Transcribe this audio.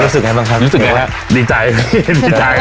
รู้สึกไงบ้างครับ